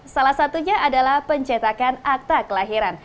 salah satunya adalah pencetakan akta kelahiran